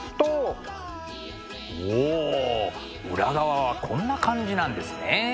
おお裏側はこんな感じなんですね。